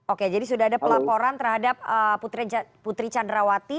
oke jadi sudah ada pelaporan terhadap putri candrawati